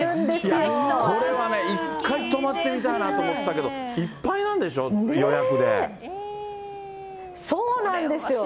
これはね、１回泊まってみたいなと思ってたけど、いっぱいなんでしょう、予そうなんですよ。